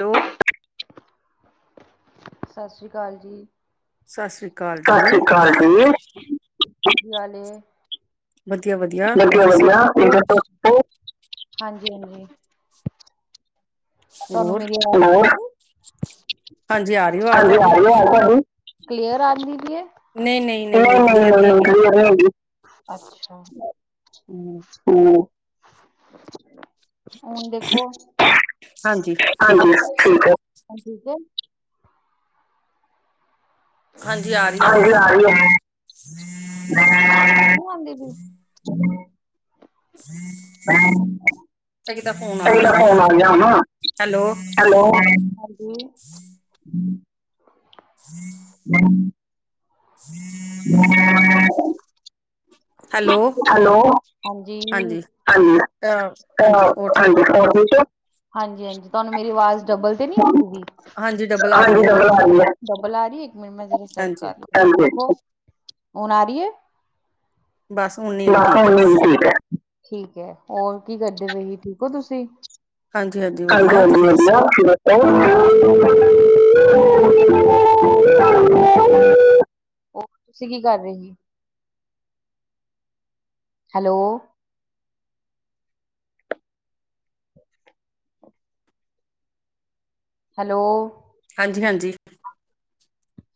ਲੋ ਸਸ ਰੀ ਕਾਲ ਜੀ। ਸਸ ਰੀ ਕਾਲ ਜੀ। ਸਈ ਗੱਲ ਏ, ਵਧੀਆ ਵਧੀਆ ਤੁਸੀਂ ਦੱਸੋ ਵਦੀਆ-ਵਦੀਆ ਠੀਕ ਤੁਸੀਂ ਹੋ ਦੱਸੋ। ਓ, ਹਾਂਜੀ-ਹਾਂਜੀ। ਤੁਹਾਨੂੰ ਹੋਰ ਮਿਲੇ [unintelligible] ਹਾਂਜੀ ਆ ਰਹੀ ਆਵਾਜ਼ ਹਾਂਜੀ, ਆ ਤੁਹਾਡੀ ਰ‌ਈ ਏ ਵਾਜ਼ ਤੁਹਾਡੀ। ਕਲੀਅਰ ਆ ਰੀ ਏ? ਨਹੀਂ ਨਹੀਂ ਨਹੀਂ ਨਹੀਂ ਕਲੀਅਰ ਨ‌ਈਂ-ਨ‌ਈਂ, ਨਹੀਂ ਨ‌ਈਂ ਹੈਗੀ ਕਲੀਅਰ ਨੀ ਹੈਗੀ। ਅੱਛਾ। ਹੂੰ ਹਮ। ਹੁਣ ਦੇਖੋ, ਹਾਂਜੀ ਠੀਕ ਹਾਂਜੀ ਹੈ ਠੀਕ ਓ, ਹੁਣ ਠੀਕ ਐ। ਹਾਂਜੀ ਆ ਰਹੀ ਹੈ ਹਾਂਜੀ ਆ ਰੀ ਐ। ਮੈਂ, [unintelligible] ਚੰਗੀ [unintelligible] ਤਾਂ ਫੋਨ ਆ ਗਿਆ ਹੁਣ ਹੈਲੋ ਹੈਲੋ, ਹਾਂਜੀ। [inaudible] [unintelligible] [unintelligible] [unintelligible] ਹੈਲੋ। ਹੈਲੋ, ਹਾਂਜੀ ਆਈ ਅ ਐ, ਹਾਂਜੀ ਹੋਰ ਠੀਕ ਹਾਂਜੀ, ਹੋ ਹੋਰ ਠੀਕ ਓ? ਹਾਂਜੀ-ਹਾਂਜੀ ਤਵਾਨੂੰ ਮੇਰੀ ਵਾਜ਼ ਡਬਲ ਤੇ ਆਂਦੀ। ਹਾਂਜੀ ਡਬਲ ਆ ਰਹੀ ਹਾਂਜੀ ਹੈ ਡਬਲ ਆ ਰੀ ਏ। ਡਬਲ ਆ ਰ‌ਈ ਐ, ਇੱਕ ਮਿੰਟ ਮੈਂ ਸੈਟ ਹਾਂਜੀ ਕਰ ਲਾਂ, ਹੁਣ ਆ ਰੀ ਏ। ਬਸ ਹੁਣ ਨੀ ਹੈਗੀ ਠੀਕ ਹੈ [unintelligible] ਠੀਕ ਐ, ਹੋਰ ਕੀ ਕਰਦੇ ਪ‌ਏ, ਠੀਕ ਹੋ ਤੁਸੀਂ? ਹਾਂਜੀ-ਹਾਂਜੀ ਵਧੀਆ ਤੁਸੀਂ ਦੱਸੋ? [unintelligible] ਹੋਰ ਤੁਸੀਂ ਕੀ ਕਰ ਰੇ ਸੀ? ਹੈਲੋ। ਹੈਲੋ। ਹਾਂਜੀ-ਹਾਂਜੀ।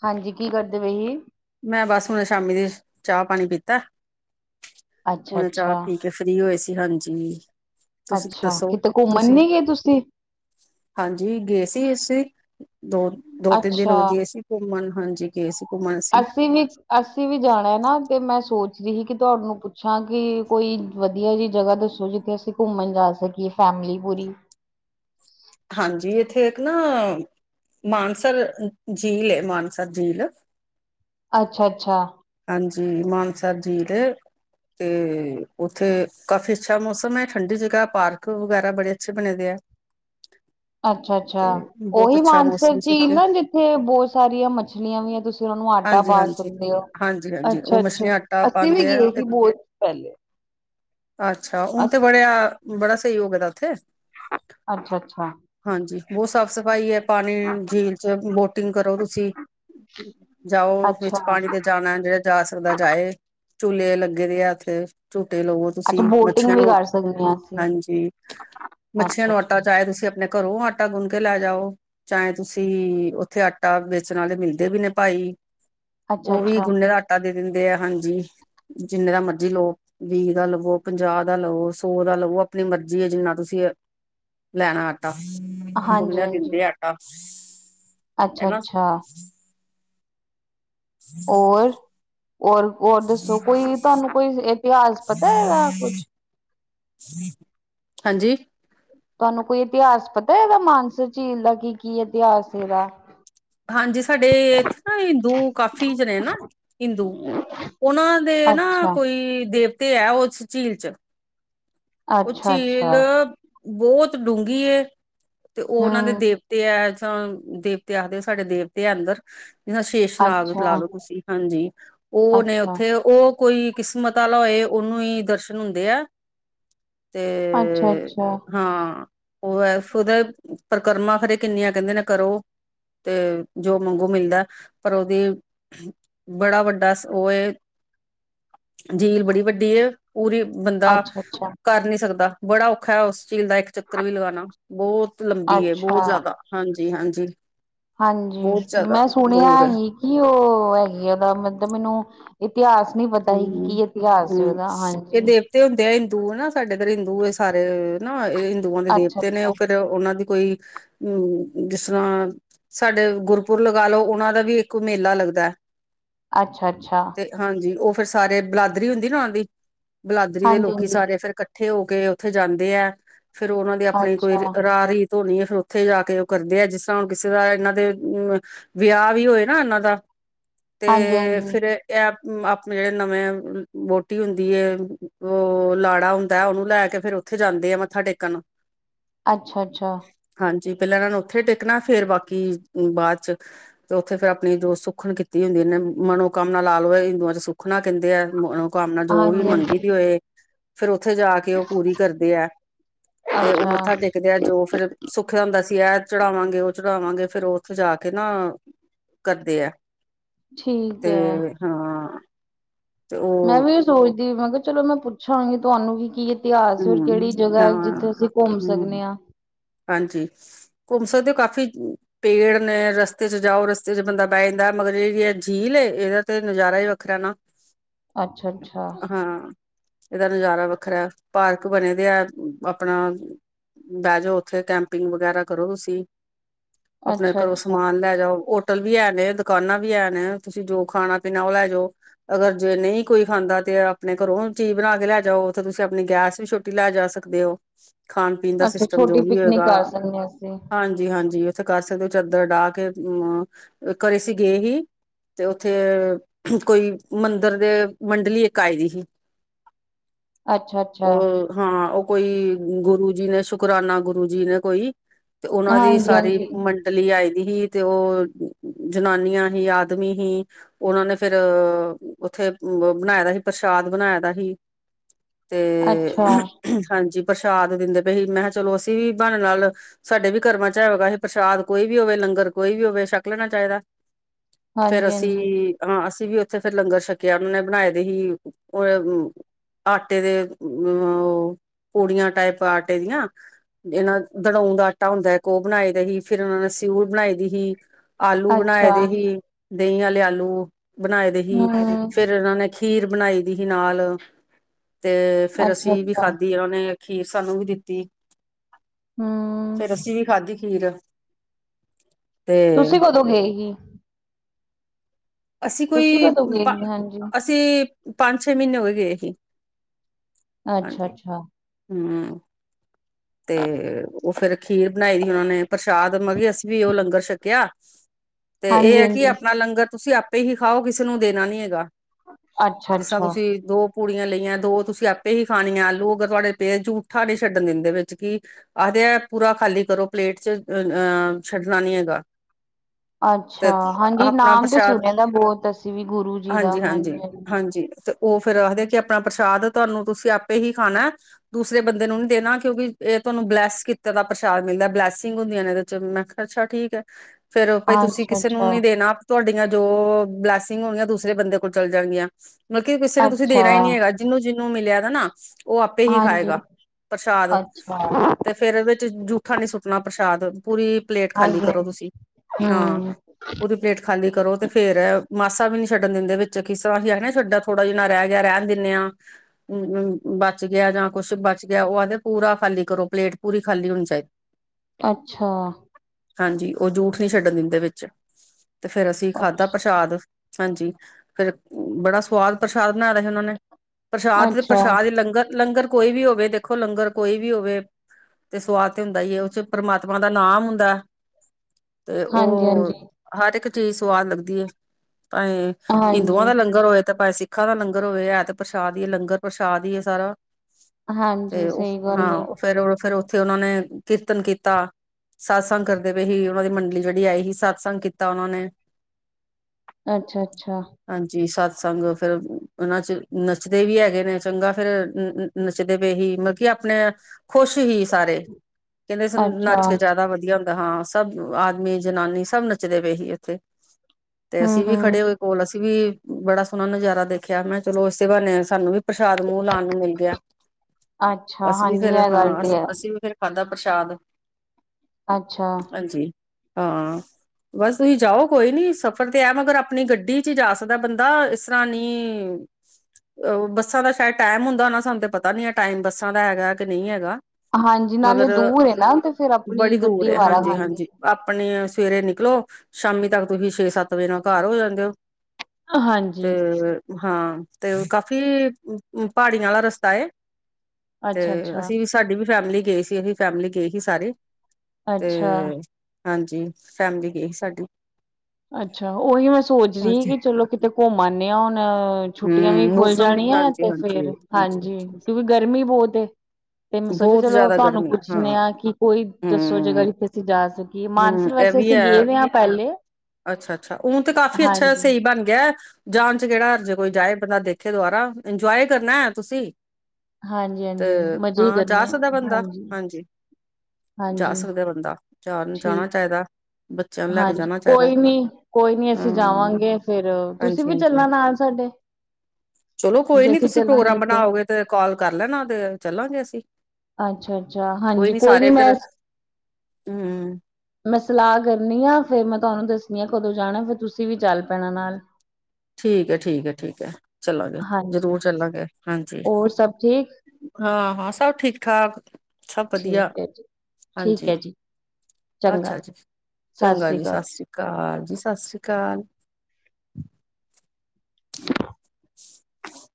ਹਾਂਜੀ ਕੀ ਕਰਦੇ ਪਏ ਸੀ? ਮੈਂ ਬਸ ਹੁਣੇ ਸ਼ਾਮੀ ਦੀ ਚਾਹ-ਪਾਣੀ ਪੀਤਾ ਹੁਣੇ ਚਾਹ ਪੀ ਕੇ ਫ੍ਰਰੀ ਹੋਏ ਸੀ, ਹਾਂਜੀ। ਤੁਸੀਂ ਅੱਛਾ, ਦੱਸੋ ਕਿਤੇ ਘੁੰਮਨ ਤੁਸੀਂ ਨੀ ਗੇ ਤੁਸੀਂ? ਹਾਂਜੀ ਗਏ ਸੀ ਅਸੀਂ, ਦੋ, ਦੋ-ਤਿੰਨ ਦਿਨ ਹੋ ਗਏ ਸੀ। ਘੁੰਮਣ, ਹਾਂਜੀ ਗਏ ਸੀ ਘੁੰਮਣ ਅਸੀਂ। ਅਸੀਂ ਵੀ, ਅਸੀਂ ਵੀ ਜਾਣਾ ਐ ਨਾ। ਤੇ ਮੈਂ ਸੋਚਦੀ ਸੀ ਕਿ ਤੁਹਾਨੂੰ ਪੁੱਛਾਂ ਕਿ ਕੋਈ ਵਧੀਆ ਜੀ ਜਗ੍ਹਾ ਦੱਸੋ ਜਿੱਥੇ ਅਸੀਂ ਘੁੰਮਣ ਜਾ ਸਕੀਏ ਫੈਮਲੀ ਪੂਰੀ। ਹਾਂਜੀ ਏਥੇ ਇੱਕ ਨਾ, ਮਾਨਸਰ ਝੀਲ ਏ, ਮਾਨਸਰ ਝੀਲ। ਅੱਛਾ-ਅੱਛਾ। ਹਾਂਜੀ, ਮਾਨਸਾਰ ਝੀਲ ਤੇ ਓਥੇ ਕਾਫੀ ਅੱਛਾ ਮੌਸਮ ਐ, ਠੰਡੀ ਜਗ੍ਹਾ, ਪਾਰਕ ਵਗੈਰਾ ਬੜੇ ਅੱਛੇ ਬਣੇ ਦੇ ਐ। ਅੱਛਾ-ਅੱਛਾ। ਬਹੁਤ ਓਈ ਅੱਛਾ ਮਾਨਸਰ ਮੌਸਮ ਸੀ ਝਿਲ ਉੱਥੇ ਨਾ ਜਿੱਥੇ ਬੋਤ ਸਾਰੀਆਂ ਮੱਛਲੀਆਂ ਵੀ ਐ, ਤੁਸੀਂ ਓਨਾਂ ਨੂੰ ਆਟਾ ਹਾਂਜੀ ਪਾ ਹਾਂਜੀ ਸਕਦੇ ਓ। ਹਾਂਜੀ ਹਾਂਜੀ ਉਹ ਅੱਛਾ-ਅੱਛਾ, ਮਛਲੀਆਂ ਆਟਾ ਅਸੀਂ ਵੀ ਪਾਉਂਦੇ ਆ ਗਏ ਸੀ ਬੋਤ ਪਹਿਲੇ। ਅੱਛਾ, ਹੁਨ ਤੇ ਬੜੇਆ, ਬੜਾ ਸਈ ਹੋ ਗਯਾ ਦਾ ਓਥੇ। ਅੱਛਾ-ਅੱਛਾ। ਹਾਂਜੀ, ਬੋਤ ਸਾਫ਼-ਸਫ਼ਾਈ ਐ, ਪਾਨੀ ਝੀਲ 'ਚ ਬੋਟਿੰਗ ਕਰੋ ਤੁਸੀਂ। ਜਾਓ ਵਿੱਚ ਪਾਣੀ ਦੇ ਜਾਨਾ ਐ, ਜੇੜਾ ਜਾ ਸਕਦਾ ਜਾਏ, ਝੂਲੇ ਲੱਗੇ ਦੇ ਆ ਓਥੇ ਝੂਟੇ ਲੋ। ਤੁਸੀਂ ਮੱਛੀਆਂ ਨੂੰ, ਹਾਂਜੀ ਮੱਛੀਆਂ ਨੂੰ ਆਟਾ ਚਾਹੇ ਤੁਸੀਂ ਅਪਨੇ ਘਰੋਂ ਆਟਾ ਗੁੰਨ ਕੇ ਲੈ ਜਾਓ। ਚਾਹੇ ਤੁਸੀਂ ਓਥੇ ਆਟਾ ਵੇਚਨ ਆਲੇ ਮਿਲਦੇ ਵੀ ਨੇ ਭਾਈ। ਉਹ ਵੀ ਗੁੰਨੇ ਦਾ ਆਟਾ ਦੇ ਦਿੰਦੇ ਆ, ਹਾਂਜੀ ਜਿੰਨੇ ਦਾ ਮਰਜੀ ਲੋ। ਵੀਹ ਦਾ ਲਵੋ, ਪੰਜਾਹ ਦਾ ਲਵੋ, ਸੌ ਦਾ ਲਵੋ, ਅਪਨੀ ਮਰਜ਼ੀ ਐ ਜਿੰਨਾ ਤੁਸੀਂ ਲੈਣਾ ਆਟਾ, ਗੁੰਨਿਆ ਦਿੰਦੇ ਆਟਾ। ਹਨਾ ਅੱਛਾ-ਅੱਛਾ। ਔਰ, ਔਰ-ਔਰ ਦੱਸੋ ਕੋਈ ਤੁਹਾਨੂੰ ਕੋਈ ਇਤਿਹਾਸ ਪਤਾ ਏਦਾ ਕੁਛ? ਹਾਂਜੀ। ਤੁਹਾਨੂੰ ਕੋਈ ਇਤਿਹਾਸ ਪਤਾ ਏਦਾ ਮਾਨਸਰ ਝੀਲ ਦਾ, ਕੀ ਕੀ ਇਤਿਹਾਸ ਏਦਾ? ਹਾਂਜੀ, ਸਾਡੇ ਏਥੇ ਨਾ ਹਿੰਦੂ, ਕਾਫੀ ਜਣੇ ਨਾ ਹਿੰਦੂ। ਓਨਾਂ ਦੇ ਨਾ ਕੋਈ ਦੇਵਤੇ ਐ ਉਸ ਝੀਲ 'ਚ। ਓ ਝੀਲ ਬੋਤ ਡੂੰਘੀ ਏ ਤੇ ਓ ਓਨਾਂ ਦੇ ਦੇਵ ਤੇ ਐ, ਜਿਸ ਤਰਾਂ ਦੇਵਤੇ ਆਖਦੇ, ਸਾਡੇ ਦੇਵਤੇ ਐ ਅੰਦਰ। ਜਿਦਾ ਸ਼ੇਸ਼ ਨਾਗ ਲਾ ਲੋ ਤੁਸੀਂ ਹਾਂਜੀ ਓ ਨੇ ਓਥੇ। ਓ ਕੋਈ ਕਿਸਮਤ ਆਲਾ ਹੋਏ ਓਨੂੰ ਈ ਦਰਸ਼ਨ ਹੁੰਦੇ ਐ। ਤੇ, ਹਾਂ। ਓ ਹੈ, ਓਦੇ ਪਰਿਕਰਮਾ ਖਰੇ ਕਿੰਨੀਆਂ ਕਹਿੰਦੇ ਨੇ ਕਰੋ। ਤੇ ਜੋ ਮੰਗੋ ਮਿਲਦਾ, ਪਰ ਓਦੀ ਬੜਾ ਵੱਡਾ ਓ ਏ, ਝੀਲ ਬੜੀ ਵੱਡੀ ਏ। ਪੂਰੀ ਬੰਦਾ ਕਰ ਨੀ ਸਕਦਾ ਬੜਾ ਔਖਾ ਐ ਉਸ ਝੀਲ ਦਾ ਇੱਕ ਚੱਕਰ ਵੀ ਲਗਾਨਾ ਬੋਤ ਲੰਬੀ ਏ ਬੋਤ ਜਾਦਾ। ਹਾਂਜੀ-ਹਾਂਜੀ। ਹਾਂਜੀ, ਮੈਂ ਸੁਣਿਆ ਦੂਰ ਹੈ ਸੀ ਕਿ ਓ ਹੈਗੀ ਐ [unintelligible] ਮਤਲਬ ਮੈਨੂੰ ਇਤਿਹਾਸ ਨਹੀਂ ਪਤਾ ਸੀ ਕਿ ਕੀ ਇਤਿਹਾਸ ਸੀ ਓਦਾ, ਹਾਂਜੀ। ਤੇ ਹੁੰਦੇ ਆ ਹਿੰਦੂ ਹਨ ਨਾ ਸਾਡੇ ਇੱਧਰ ਹਿੰਦੂ ਇਹ ਸਾਰੇ ਹਨ ਇਹ ਹਿੰਦੂਆਂ ਦੇਵਤੇ ਨੇ ਉਹ ਫਿਰ ਉਹਨਾਂ ਦੀ ਕੋਈ ਹਮ ਜਿਸ ਤਰ੍ਹਾਂ ਸਾਡੇ ਗੁਰਪੁਰਬ ਲੱਗਾ ਲਓ ਉਹਨਾਂ ਦਾ ਵੀ ਇੱਕ ਮੇਲਾ ਲੱਗਦਾ। ਅੱਛਾ ਅੱਛਾ। ਤੇ ਹਾਂਜੀ ਉਹ ਫੇਿਰ ਸਾਰੇ ਬਰਾਦਰੀ ਹੁੰਦੀ ਨਾ ਦੀ ਬਰਾਦਰੀ ਦੇ ਲੋਕੀ ਸਾਰੇ ਫਿਰ ਇਕੱਠੇ ਹੋ ਕੇ ਉੱਥੇ ਜਾਂਦੇ ਆ ਫਿਰ ਉਹਨਾਂ ਦੀ ਆਪਣੀ ਕੋਈ ਰਾਹ ਰ ਧੋਨੀ ਆ ਫੇਰ ਉੱਥੇ ਜਾ ਕੇ ਉਹ ਕਰਦੇ ਆ ਜਿਸ ਤਰ੍ਹਾਂ ਹੁਣ ਕਿਸੇ ਦਾ ਇਹਨਾਂ ਦੇ ਵਿਆਹ ਵੀ ਹੋਏ ਨਾ ਇਹਨਾਂ ਦਾ ਤੇ ਫੇਰ ਇਹ ਅਪ ਜਿਹੜੇ ਨਵੇਂ ਵੋਟੀ ਹੁੰਦੀ ਏ ਉਹ ਲਾੜਾ ਹੁੰਦਾ ਉਹਨੂੰ ਲੈ ਕੇ ਫੇਰ ਓ ਉੱਥੇ ਜਾਂਦੇ ਆ ਮੱਥਾ ਟੇਕਣ ਅੱਛਾ ਅੱਛਾ। ਹਾਂਜੀ ਪਹਿਲਾਂ ਇਹਨਾਂ ਨੂੰ ਉੱਥੇ ਟੇਕਣਾ ਫੇਰ ਬਾਕੀ ਬਾਅਦ ਚ ਤੇ ਉੱਥੇ ਫੇਰ ਅਪਨੀ ਜੋ ਸੁੱਖਣ ਕੀਤੀ ਹੁੰਦੀ ਇਹਨੇ ਮਨੋਕਾਮਨਾ ਲਾ ਲੋਓਏ ਹਿੰਦੂਆਂ ਚ ਸੁੱਖ ਖਣਾ ਕਹਿੰਦੇ ਆ ਮਨੋਕਾਮਨਾ ਜੋ ਵੀ ਮੰਗੀ ਦੀ ਹੋਏ ਫੇਿਰ ਉੱਥੇ ਜਾ ਕੇ ਉਹ ਪੂਰੀ ਕਰਦੇ ਹੈ। ਤੇ ਉਹ ਮੱਥਾ ਟੇਕਦੇ ਆ ਜੋ ਫਿਰ ਸੁੱਖਿਆ ਹੁੰਦਾ ਸੀ ਇਹ ਚੜਾਵਾਂਗੇ ਉਹ ਚੜਾਵਾਂਗੇ ਫੇਰ ਉਹ ਉੱਥੇ ਜਾ ਕੇ ਨਾ ਕਰਦੇ ਹੈ। ਤੇ ਹਾਂ ਤੇ ਮੈਂ ਉਹ ਵੀ ਇਹ ਸੋਚਦੀ ਮੈਂ ਕਿਹਾ ਚਲੋ ਮੈਂ ਪੁੱਛਾਂਗੀ ਤੁਹਾਨੂੰ ਕੀ ਇਤਿਹਾਸਕੀ ਹਮ ਕਿਹੜੀ ਜਗ੍ਹਾ ਹਾਂ ਹੈ ਜਿੱਥੇ ਅਸੀਂ ਘੁੰਮ ਸਕਦੇ ਹਮ ਹਾਂ। ਹਾਂਜੀ ਘੁੰਮ ਸਕਦੇ ਓ ਕਾਫ਼ੀ ਪੇੜ ਨੇ ਰਸਤੇ ਚ ਜਾਓ ਰਸਤੇ ਚ ਬੰਦਾ ਬਹਿ ਜਾਂਦਾ ਮਗਰ ਜਿਹੜੀ ਹੈ ਝੀਲ ਇਹਦਾ ਤੇ ਨਜ਼ਾਰਾ ਹੀ ਵੱਖਰਾ ਨਾ। [inaudible] ਹਾਂ ਇਹਦਾ ਨਜ਼ਾਰਾ ਵੱਖਰਾ। ਪਾਰਕ ਬਣੇ ਦੇ ਆ ਆਪਣਾ ਬਹਿ ਜਾਓ ਉੱਥੇ ਕੈਂਪਿੰਗ ਵਗੈਰਾ ਕਰੋ ਤੁਸੀਂ ਆਪਣੇ ਘਰੋਂ ਸਮਾਨ ਲੈ ਜਾਓ। ਹੋਟਲ ਵੀ ਹੈ ਨੇ ਦੁਕਾਨਾਂ ਵੀ ਹੈ ਨੇ ਤੁਸੀਂ ਜੋ ਖਾਣਾ ਪੀਣਾ ਉਹ ਲੈ ਜਾਓ। ਅਗਰ ਜੇ ਨਹੀਂ ਕੋਈ ਖਾਂਦਾ ਤੇ ਆਪਣੇ ਘਰੋਂ ਚੀਜ਼ ਬਣਾ ਕੇ ਲੈ ਜਾਓ ਉੱਥੇ ਤੁਸੀਂ ਅਪਣੀ ਗੈਸ ਵੀ ਛੋਟੀ ਲੈ ਜਾ ਸਕਦੇ ਹੋ। ਖਾਣ ਪੀਣ ਦਾ ਸਿਸਟਮ ਜੋ ਵੀ ਹੋਏਗਾ ਹਾਂਜੀ ਹਾਂਜੀ ਫੇਰ, ਕਰ ਸਕਦੇ ਓ ਚੱਦਰ ਡਾਅ ਕੇ ਅ, ਘਰੇ ਅਸੀ ਗਏ ਹੀ ਤੇ ਉੱਥੇ ਕੋਈ ਮੰਦਿਰ ਦੇ ਮੰਡਲੀ ਇੱਕ ਆਏ ਦੀ ਅੱਛਾ ਅ ਉਹ ਹਾਂ ਉਹ ਕੋਈ ਗੁਰੂ ਜੀ ਨੇ ਸ਼ੁਕਰਾਨਾ ਗੁਰੂ ਜੀ ਨੇ ਕੋਈ ਤੇ ਉਹਨਾਂ ਦੀ ਸਾਰੀ ਮੰ ਟਲੀ ਆਈ ਦੀ ਸੀ ਤੇ ਉਹ ਜਨਾਨੀਆਂ ਹੀ ਆਦਮੀ ਹੀ। ਉਹਨਾਂ ਨੇ ਫੇਰ ਉੱਥੇ ਬਣਾਇਆ ਦਾ ਸੀ ਪ੍ਰਸ਼ਾਦ ਬਣਾਇਆ ਦਾ ਹੀ। ਤੇ ਹਾਂਜੀ ਪ੍ਰਸ਼ਾਦ ਦਿੰਦੇ ਪਏ ਹੀ ਮੈਂ ਕਿਹਾ ਚਲੋ ਅਸੀਂ ਵੀ ਬਾਨੇ ਨਾਲ ਸਾਡੇ ਵੀ ਕਰਮਾਂ ਚ ਹੈਵੇਗਾ ਸੀ ਪ੍ਰਸ਼ਾਦ ਕੋਈ ਵੀ ਹੋਵੇ ਲੰਗਰ ਕੋਈ ਵੀ ਹੋਵੇ ਛੱਕ ਲੈਣਾ ਚਾਹੀਦਾ। ਫੇਰ ਅਸੀਂ ਹਾਂ ਅਸੀਂ ਵੀ ਉੱਥੇ ਫੇਰ ਲੰਗਰ ਛੱਕਿਆ ਉਹਨਾਂ ਨੇ ਬਣਾਏ ਦੇ ਹੀ ਉਹ ਆਟੇ ਦੇ ਅ ਉਹ ਪੂੜੀਆਂ ਟਾਈਪ ਆਟੇ ਦੀਆਂ ਇਹਨਾ ਦੜੋਂ ਦਾ ਆਟਾ ਹੁੰਦਾ ਹੈ ਇੱਕ ਉਹ ਬਣਾਏ ਦਾ ਸੀ ਫਿਰ ਉਹਨਾਂ ਨੇ ਸਿਊਲ ਬਣਾਈ ਦੀ ਸੀ। ਆਲੂ ਬਣਾਏ ਦੇ ਹੀ ਦਹੀਂ ਵਾਲੇ ਆਲੂ ਬਣਾਏ ਦੇ ਹੀ ਫੇਰ ਫੇਰ ਉਹਨਾਂ ਨੇ ਖੀਰ ਬਣਾਈ ਦੀ ਹੀ ਨਾਲ। ਤੇ ਫੇਰ ਅਸੀਂ ਵੀ ਖਾਧੀ ਉਹਨਾਂ ਨੇ ਖੀਰ ਸਾਨੂੰ ਵੀ ਦਿੱਤੀ। ਫੇਰ ਅੱਸੀਂ ਵੀ ਖਾਧੀ ਖੀਰ। ਤੇ ਤੁਸੀਂ ਕਦੋਂ ਗਏ ਹੀ। ਅਸੀਂ ਕੋਈ ਅਸੀਂ ਪੰਜ ਛੇ ਮਹੀਨੇ ਹੋ ਗਏ ਸੀ। ਅੱਛਾ ਅੱਛਾ। ਹੁੰ। ਤੇ, ਉਹ ਫੇਰ ਖੀਰ ਬਣਾਈ ਦੀ ਹੀ ਉਹਨਾਂ ਨੇ, ਪ੍ਰਸ਼ਾਦ ਮ ਕੀ ਅਸੀਂ ਵੀ ਉਹ ਲੰਗਰ ਛੱਕਿਆ ਤੇ ਇਹ ਹੈ ਕਿ ਅਪਨਾ ਲੰਗਰ ਤੁਸੀਂ ਆਪੇ ਹੀ ਖਾਓ, ਕਿਸੇ ਨੂੰ ਦੇਣਾ ਨਹੀ ਹੈਗਾ ਜਿਸ ਤਾਂ ਤੁਸੀਂ ਦੋ ਪੂੜੀਆਂ ਲਈਆਂ ਦੋ ਤੁਸੀਂ ਆਪੇ ਹੀ ਖਾਣੀਆਂ ਆਲੂ ਅਗਰ, ਤੁਹਾਡੇ ਪਏ, ਜੂਠਾ ਨੀ ਛੱਡਣ ਦਿੰਦੇ ਵਿੱਚ ਕਹਿੰਦੇ ਕੀ, ਆਖਦੇ ਆ ਪੂਰਾ ਖਾਲੀ ਕਰੋ ਪਲੇਟ 'ਚ, ਅ ਅਹ ਛੱਡਣਾ ਨੀ ਹੈਗਾ ਅੱਛਾ, ਤੇ ਹਾਂਜੀ! ਆਪਣਾ ਨਾਮ ਤੇ ਪ੍ਰਸ਼ਾਦ ਸੁਣਿਆ ਦਾ ਬਹੁਤ ਅਸੀ ਵੀ ਗੁਰੂ ਜੀ ਦਾ। ਹਾਂਜੀ, ਹਾਂਜੀ! ਉਹ ਫੇਰ ਆਖਦੇ ਕਿ, ਆਪਣਾ ਪ੍ਰਸ਼ਾਦ ਤੁਹਾਨੂੰ ਤੁਸੀਂ ਆਪੇ ਹੀ ਖਾਣਾ, ਦੂਸਰੇ ਬੰਦੇ ਨੂੰ ਨਹੀ ਦੇਣਾ, ਕਿਉਂਕਿ ਇਹ ਤੁਹਾਨੂੰ ਬਲੈਸ ਕਿੱਤੇ ਦਾ ਪ੍ਰਸ਼ਾਦ ਮਿਲਦਾ, ਬਲੈਸਿੰਗ ਹੁੰਦੀਆਂ ਨੇ ਇਹਦੇ 'ਚ, ਮੈਂ ਕਿਹਾ, ਅੱਛਾ, ਠੀਕ ਹੈ। ਫੇਰ ਓ ਭਾਈ, ਤੁਸੀਂ ਕਿਸੇ ਨੂੰ ਨੀ ਦੇਣਾ। ਤੁਹਾਡੀਆਂ ਜੋ, ਬਲੈਸਿੰਗ ਹੋਣਗੀਆਂ, ਦੂਸਰੇ ਬੰਦੇ ਕੋਲ ਚੱਲ ਜਾਣਗੀਆਂ, ਮਤਲਬ ਕੀ, ਕਿਸੇ ਨੂੰ ਤੁਸੀਂ ਦੇਣਾ ਹੀ ਨਹੀਂ ਹੈਗਾ। ਜਿਹਨੂੰ-ਜਿਹਨੂੰ ਮਿਲਿਆ ਦਾ ਨਾ ਉਹ ਆਪੇ ਹੀ ਹਾਂਜੀ, ਖਾਏਗਾ। ਪ੍ਰਸ਼ਾਦ ਅੱਛਾ! ਤੇ ਫੇਰ ਇਹਦੇ ਵਿੱਚ ਜੂਠਾ ਨੀ ਸੁੱਟਣਾ ਪ੍ਰਸ਼ਾਦ, ਪੂਰੀ ਪਲੇਟ ਖਾਲੀ ਕਰੋ ਤੁਸੀਂ ਹਾਂ, ਉਹਦੀ ਪਲੇਟ ਖਾਲੀ ਕਰੋ ਤੇ ਫੇਰ, ਮਾਸਾ ਵੀ ਨੀ ਛੱਡਣ ਦਿੰਦੇ ਵਿੱਚ ਕਿਸ ਤਰ੍ਹਾਂ ਅਸੀਂ ਹੈ ਨਾ ਛੱਡੋ ਥੋੜਾ ਜਿਹਾ ਰਹਿ ਗਿਆ, ਰਹਿਣ ਦਿੰਦੇ ਹਾਂ ਹਮ ਬਚ ਗਿਆ ਜਾਂ ਕੁੱਛ ਬਚ ਗਿਆ ਉਹ ਕਹਿੰਦੇ ਪੂਰਾ ਖਾਲੀ ਕਰੋ ਪਲੇਟ, ਪੂਰੀ ਖਾਲੀ ਹੋਣੀ ਚਾਹੀਦੀ ਅੱਛਾ ਹਾਂਜੀ, ਉਹ ਜੂਠ ਨੀ ਛੱਡਣ ਦਿੰਦੇ ਵਿੱਚ, ਤੇ ਫੇਰ ਅਸੀਂ ਖਾਧਾ ਪ੍ਰਸ਼ਾਦ ਹਾਂਜੀ, ਫੇਰ ਬੜਾ ਸਵਾਦ ਪ੍ਰਸ਼ਾਦ ਬਣਾਇਆ ਦਾ ਸੀ ਉਹਨਾਂ ਨੇ ਪ੍ਰਸ਼ਾਦ ਤੇ ਪ੍ਰਸ਼ਾਦ ਹੀ ਲੰਗਰ, ਲੰਗਰ ਕੋਈ ਵੀ ਹੋਵੇ ਦੇਖੋ ਲੰਗਰ ਕੋਈ ਵੀ ਹੋਵੇ, ਤੇ ਸਵਾਦ ਹੁੰਦਾ ਹੀ ਹੈ। ਉਹ 'ਚ ਪਰਮਾਤਮਾ ਦਾ ਨਾਮ ਹੁੰਦਾ ਤੇ ਉਹ, ਹਰ ਇੱਕ ਚੀਜ਼ ਸਵਾਦ ਲਗਦੀ ਹੈ, ਭਾਵੇ ਹਿੰਦੂਆਂ ਦਾ ਲੰਗਰ ਹੋਵੇ ਤੇ ਭਾਵੇ ਸਿੱਖਾਂ ਦਾ ਲੰਗਰ ਹੋਵੇ, ਇਹ ਤੇ ਪ੍ਰਸ਼ਾਦ ਹੀ ਲੰਗਰ ਪ੍ਰਸ਼ਾਦ ਹੀ ਹੈ ਸਾਰਾ ਹਾਂਜੀ, ਸਹੀ ਗੱਲ ਹੈ ਫੇਰ ਓ, ਫੇਰ ਉੱਥੇ ਉਹਨਾਂ ਨੇ, ਕੀਰਤਨ ਕੀਤਾ ਸਤਸੰਗ ਕਰਦੇ ਪਏ ਸੀ, ਉਹਨਾਂ ਦੀ ਮੰਡਲੀ ਜਿਹੜੀ ਆਈ ਸੀ, ਸਤਸੰਗ ਕੀਤਾ ਉਹਨਾਂ ਨੇ। ਅੱਛਾ, ਅੱਛਾ! ਹਾਂਜੀ, ਸਤਸੰਗ ਫੇਰ ਉਹਨਾਂ 'ਚ ਨੱਚਦੇ ਵੀ ਹੈਗੇ ਨੇ, ਚੰਗਾ ਫੇਰ! ਨੱਚਦੇ ਪਏ ਸੀ ਮਤਲਬ ਆਪ ਆਪਣੇ ਖੁਸ਼ ਹੀ ਸਾਰੇ! ਕਹਿੰਦੇ ਨੱਚ ਕੇ ਜਿਆਦਾ ਵਧੀਆ ਹੁੰ ਹਾਂ, ਸਭ ਆਦਮੀ-ਜਨਾਨੀ ਸਭ ਨੱਚਦੇ ਪਏ ਸੀ ਇੱਥੇ, ਤੇ ਅਸੀਂ ਵੀ ਖੜੇ ਹੋਏ ਕੋਲ ਅਸੀਂ ਵੀ, ਬੜਾ ਸੋਹਣਾ ਨਜ਼ਾਰਾ ਦੇਖਿਆ। ਮੈਂ, ਚਲੋ, ਇਸੇ ਬਹਾਨੇ ਸਾਨੂੰ ਵੀ ਪ੍ਰਸ਼ਾਦ ਮੂੰਹ ਲਾਉਣ ਨੂੰ ਮਿਲ ਗਿਆ। ਅਸੀਂ ਵੀ ਫੇਰ ਹਾਂ, ਅ ਅਸੀਂ ਵੀ ਫੇਰ ਖਾਧਾ ਪ੍ਰਸ਼ਾਦ। ਅੱਛਾ। ਹਾਂਜੀ, ਹਾਂ। ਬਸ, ਤੁਸੀਂ ਜਾਓ, ਕੋਈ ਨੀ। ਸਫ਼ਰ ਤੇ ਹੈ, ਮਗਰ ਆਪਣੀ ਗੱਡੀ 'ਚ ਹੀ ਜਾ ਸਕਦਾ ਬੰਦਾ। ਪਤਾ ਨੀ, ਬੱਸਾਂ ਦਾ ਸ਼ਾਇਦ ਟਾਈਮ ਹੁੰਦਾ ਹੋਣਾ। ਸਾਨੂੰ ਤੇ ਪਤਾ ਨੀ ਹੈ ਟਾਈਮ ਬੱਸ ਬਸਾਂ ਦਾ ਹੈਗਾ ਕੇ ਨਹੀਂ ਹੈਗਾ। ਮਗਰ ਬੜੀ ਦੂਰ ਏ ਹਾਂਜੀ, ਹਾਂਜੀ! ਆਪਣੇ ਸਵੇਰੇ ਨਿਕਲੋ, ਸ਼ਾਮੀ ਤੱਕ ਤੁਸੀਂ ਛੇ-ਸੱਤ ਵਜੇ ਨਾਲ ਘਰ ਹੋ ਜਾਂਦੇ ਹੋ। ਤੇ, ਹਾਂ, ਤੇ ਕਾਫ਼ੀ, ਪਹਾੜੀਆਂ ਵਾਲਾ ਰਸਤਾ ਏ। ਤੇ ਅਸੀਂ ਵੀ ਸਾਡੀ ਵੀ ਫੈਮਿਲੀ ਗਈ ਸੀ। ਅਸੀਂ ਫੈਮਿਲੀ ਗਈ ਸੀ ਸਾਰੀ, ਤੇ ਹਾਂਜੀ, ਫੈਮਿਲੀ ਗਈ ਸੀ ਸਾਡੀ। ਅੱਛਾ, ਉਹੀ ਮੈਂ ਸੋਚ ਰਹੀ ਸੀ, ਹਾਂਜੀ ਕਿ ਚਲੋ ਕਿਤੇ ਘੁੰਮ ਆਉਦੇ ਹੁਣ। ਛੁੱਟੀਆਂ ਵੀ ਹਮ ਖੁੱਲ ਮੌਸਮ ਵੀ ਜਾਣੀਆਂ ਹਾਂਜੀ ਤੇ ਹਾਂਜੀ ਫੇਰ ਹਾਂਜੀ, ਕਿਉਕਿ ਗਰਮੀ ਬਹੁਤ ਏ। ਤੇ ਮੈੰ ਸੋਚਿਆ ਬਹੁਤ ਚਲੋ, ਜ਼ਿਆਦਾ ਤੁਹਾਨੂੰ ਗਰਮੀ ਹਾਂ ਪੁੱਛਣੇ ਆ ਕਿ ਕੋਈ ਦੱਸੋ ਜਗ੍ਹਾ, ਹਮ ਜਿੱਥੇ ਅਸੀਂ ਜਾ ਸਕੇ ਇਹ ਹਮ ਮਾਨਸਰ, ਇਹ ਵੈਸੇ ਵੀ ਅਸੀਂ ਹੈ ਗਏ ਹੋਏ ਹਾਂ ਪਹਿਲੇ। ਅੱਛਾ ਅੱਛਾ, ਉਂ ਤੇ ਕਾਫ਼ੀ ਅੱਛਾ ਸਹੀ ਬਣ ਗਿਆ। ਜਾਣ 'ਚ ਕਿਹੜਾ ਹਰਜ਼ ਹੈ, ਕੋਈ ਜਾਏ ਬੰਦਾ ਦੇਖੇ! ਦੁਬਾਰਾ ਇੰਜੋਏ ਕਰਨਾ ਹੈ ਤੁਸੀਂ। ਤੇ ਹਾਂ ਜਾ ਸਕਦਾ ਬੰਦਾ ਹਾਂਜੀ। ਜਾ ਸਕਦਾ ਬੰਦਾ, ਜਾ ਜਾਣਾ ਚਾਹੀਦਾ। ਬੱਚਿਆਂ ਨੂੰ ਲੈ ਕੇ ਹਾਂਜੀ ਜਾਣਾ ਚਾਹੀਦਾ ਕੋਈ ਨੀ, ਕੋਈ ਨੀ ਅਸੀ ਹਾਂ ਜਾਵਾਂਗੇ ਫੇਰ ਤੁਸੀਂ ਹਾਂਜੀ ਵੀ ਹਾਂਜੀ ਚੱਲਣਾ ਨਾਲ ਸਾਡੇ। ਚਲੋ ਕੋਈ ਨੀ ਤੁਸੀਂ ਪ੍ਰੋਗਰਾਮ ਬਣਾਓਗੇ ਤੇ ਕਾਲ ਕਰ ਲੈਣਾ ਤੇ ਚੱਲਾਂਗੇ ਅਸੀ। ਅੱਛਾ-ਅੱਛਾ, ਹਾਂਜੀ ਕੋਈ ਨੀ ਮੈਂ ਫਿਰ ਹਮ ਮੈਂ ਸਲਾਹ ਕਰਨੀ ਆ ਫੇਰ ਮੈਂ ਤੁਹਾਨੂੰ ਦੱਸਣੀ ਹਾਂ ਕਦੋਂ ਜਾਣਾ ਫੇਰ ਤੁਸੀਂ ਵੀ ਚੱਲ ਪੈਣਾ ਨਾਲ। ਠੀਕ ਹੈ-ਠੀਕ ਹੈ, ਠੀਕ ਹੈ ਚੱਲਾਂਗੇ, ਜ਼ਰੂਰ ਚੱਲਾਂਗੇ ਹਾਂਜੀ। ਹਾਂ-ਹਾਂ, ਸਭ ਠੀਕ-ਠਾਕ, ਸਭ ਵਧੀਆ, ਹਾਂਜੀ। ਅੱਛਾ ਜੀ ਚੰਗਾ ਜੀ ਸਸ ਸ੍ਰੀ ਕਾਲ ਜੀ, ਸਸ ਸ੍ਰੀ ਕਾਲ। ਹ [inaudible]